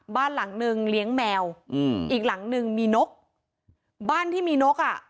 บ้านหลังนึงเลี้ยงแมวอืมอีกหลังหนึ่งมีนกบ้านที่มีนกอ่ะ